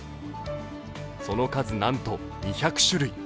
その数なんと２００種類。